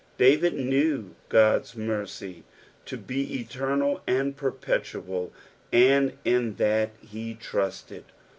David knew God's mercy to bo eternal and perpetual, and in that he trusted.